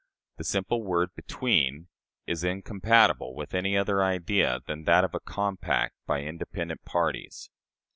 The simple word "between" is incompatible with any other idea than that of a compact by independent parties.